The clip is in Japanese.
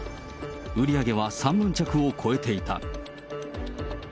売り上げは３万着を超えていた。